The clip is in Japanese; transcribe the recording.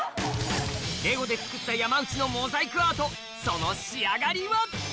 レゴで作った山内のモザイクアートその仕上がりは？